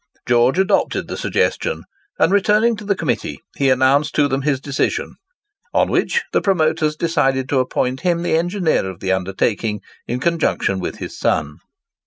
George adopted the suggestion, and returning to the Committee, he announced to them his decision; on which the promoters decided to appoint him the engineer of the undertaking in conjunction with his son.